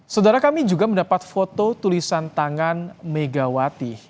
saudara kami juga mendapat foto tulisan tangan megawati